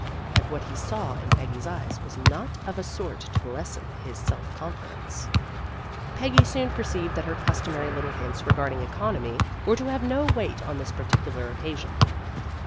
And what he saw in Peggy's eyes was not of a sort to lessen his self confidence. Peggy soon perceived that her customary little hints regarding economy were to have 246 PEGGY RAYMOND'S WAY no weight on this particular occasion.